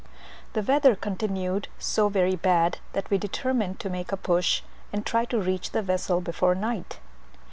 The weather continued so very bad that we determine to make a push, and try to reach the vessel before night.